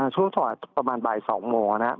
ช่วงประมาณบ่าย๒โมงนะครับ